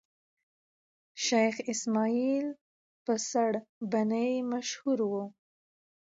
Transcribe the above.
شېخ اسماعیل په سړبني مشهور وو.